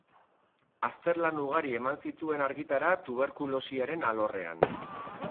Azterlan ugari eman zituen argitara tuberkulosiaren alorrean.